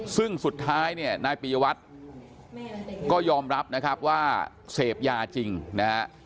ซึ่งสุดท้ายเนี่ยนายปียวัตรก็ยอมรับนะครับว่าเสพยาจริงนะฮะ